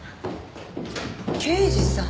刑事さん。